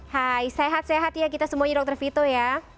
hai sehat sehat ya kita semuanya dr vito ya